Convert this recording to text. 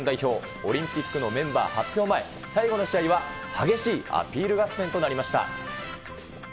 オリンピックのメンバー発表前、最後の試合は激しいアピール合戦となりました。